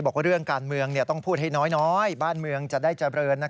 บอกว่าเรื่องการเมืองต้องพูดให้น้อยบ้านเมืองจะได้เจริญ